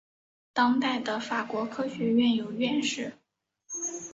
当代的法国科学院有院士。